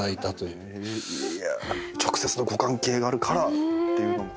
直接のご関係があるからっていうのも。